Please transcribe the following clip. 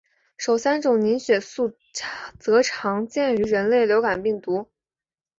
首三种血凝素则常见于人类流感病毒。